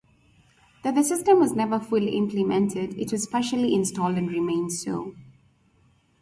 Though the system was never fully implemented, it was partially installed and remains so.